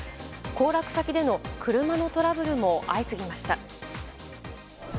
行楽先での車のトラブルも相次ぎました。